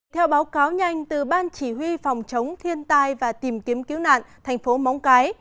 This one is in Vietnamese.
theo báo cáo nhanh từ ban chỉ huy phòng chống thiên tai và tìm kiếm cứu nạn thành phố móng cái